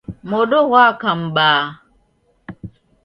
Modo ghwaka m'baa.